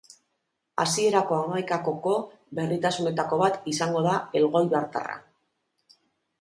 Hasierako hamaikakoko berritasunetako bat izango da elgoibartarra.